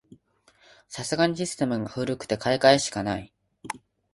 さすがにシステムが古くて買い替えしかない